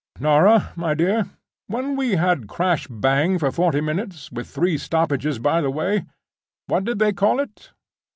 Norah, my dear! when we had crash bang for forty minutes, with three stoppages by the way, what did they call it?"